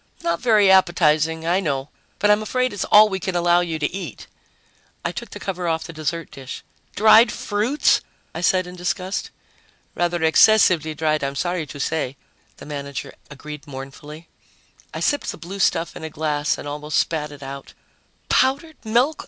"Not very appetizing. I know, but I'm afraid it's all we can allow you to eat." I took the cover off the dessert dish. "Dried fruits!" I said in disgust. "Rather excessively dried, I'm sorry to say," the manager agreed mournfully. I sipped the blue stuff in a glass and almost spat it out. "Powdered milk!